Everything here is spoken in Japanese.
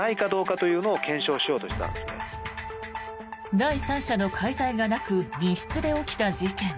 第三者の介在がなく密室で起きた事件。